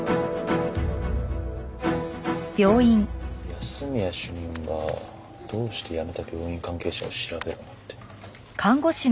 安洛主任はどうして辞めた病院関係者を調べろなんて。